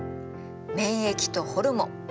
免疫とホルモン。